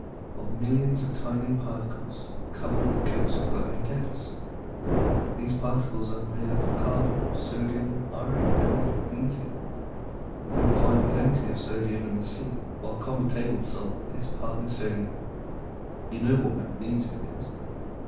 "Of millions of tiny little particles covered with coats of glowing gas. These particles are made up of carbon, sodium, iron, and magnesium. You will find plenty of sodium in the sea, while common table salt is partly sodium. You know what magnesium is.